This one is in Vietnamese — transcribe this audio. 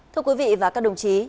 thưa quý vị và các đồng chí